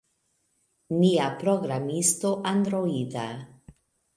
Nia programisto Androida